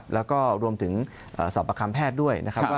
แล้วก็รวมถึงสอบอักคัมแพทย์ด้วย